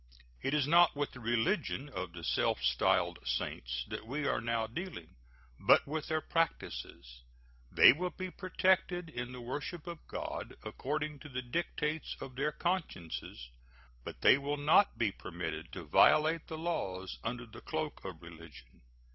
It is not with the religion of the self styled Saints that we are now dealing, but with their practices. They will be protected in the worship of God according to the dictates of their consciences, but they will not be permitted to violate the laws under the cloak of religion.